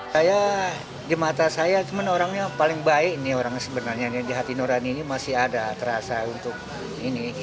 saya di mata saya orang yang paling baik di hati norani masih ada terasa untuk ini